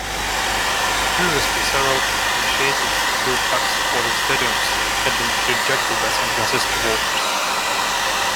Previously, several initiatives to build tax-supported stadiums had been rejected by San Francisco voters.